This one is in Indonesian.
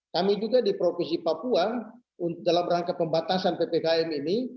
kami juga di provinsi papua dalam rangka pembatasan ppkm ini